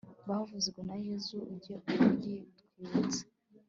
byavuzwe na yezu, ujye ubitwibutsa